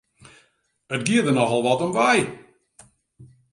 It gie der nochal wat om wei!